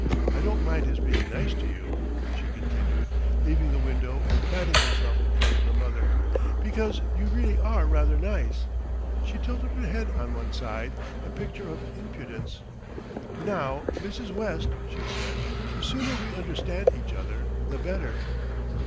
I don't mind his being nice to you," she continued, leaving the window and planting herself in front of her mother, "because you really are rather nice." She tilted her head on one side, a picture of impudence. "Now, Mrs. West," she said, "the sooner we understand each other the better."